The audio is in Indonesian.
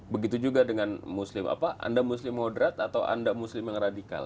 begitu juga dengan muslim apa anda muslim moderat atau anda muslim yang radikal